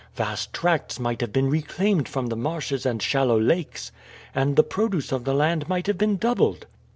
Vast tracts might have been reclaimed from the marshes and shallow lakes, and the produce of the land might have been doubled."